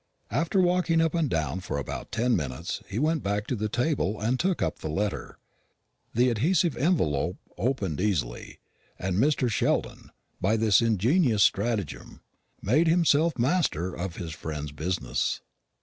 After walking up and down for about ten minutes he went back to the table and took up the letter. The adhesive envelope opened easily, and Mr. Sheldon, by this ingenious stratagem, made himself master of his friend's business.